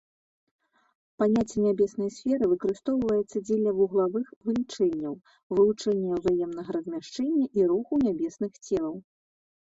Паняцце нябеснай сферы выкарыстоўваецца дзеля вуглавых вылічэнняў, вывучэння ўзаемнага размяшчэння і руху нябесных целаў.